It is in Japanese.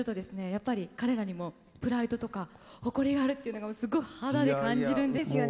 やっぱり彼らにもプライドとか誇りがあるっていうのがすごい肌で感じるんですよね。